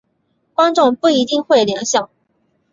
观众不一定会联想。